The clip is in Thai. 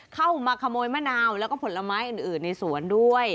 เข้ามาขโมยมะนาวแล้วก็ผลไม้อื่นในสวนด้วย